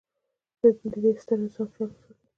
د د ې ستر انسان خیال وساتي.